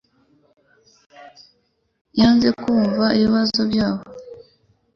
Yanze kumva ibibazo byabo.